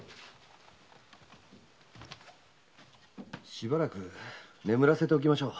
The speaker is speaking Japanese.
しばらく眠らせておきましょう。